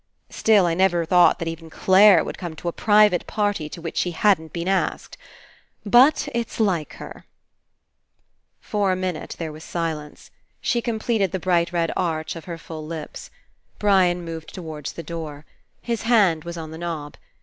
Still, I never thought that even Clare would come to a private party to which she hadn't been asked. But, it's like her." 1 60 FINALE For a minute there was silence. She completed the bright red arch of her full lips. Brian moved towards the door. His hand was on the knob.